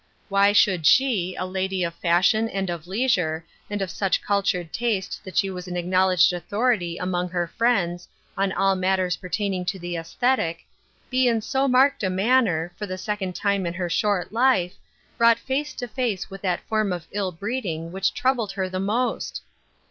Why should she, a lady of fashion and of leisure, and of such cultured taste that she was an acknowledged authority among her friends, on all matters pertaining to the esthetic, be in so marked a manner, for the second time in her short life, brought face to face with that form of ill breeding which troubled her the most